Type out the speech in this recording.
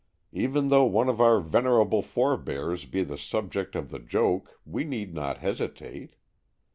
Even though one of our venerable forebears be the subject of the joke we need not hesitate.